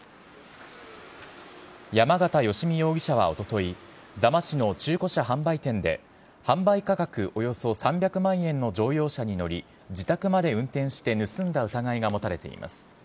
山形嘉容疑者はおととい、座間市の中古車販売店で、販売価格およそ３００万円の乗用車に乗り、自宅まで運転して盗んだ疑いが持たれています。